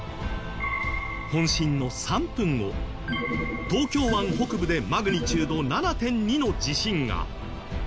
本震の３分後東京湾北部でマグニチュード７．２の地震が。